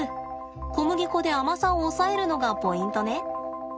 小麦粉で甘さを抑えるのがポイントね。